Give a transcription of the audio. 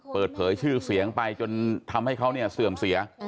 เปิดเผยชื่อเสียงไปจนทำให้เขาเนี่ยเสื่อมเสีย